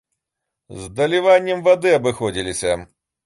З даліваннем вады абыходзілася.